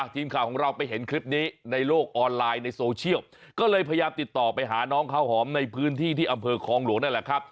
ทีมข่าวของเราไปเห็นคลิปนี้ในโลกออนไลน์ในโซเชียลก็เลยพยายามติดต่อไปหาน้องข้าวหอมในพื้นที่ที่อำเภอคลองหลวงนั่นแหละครับ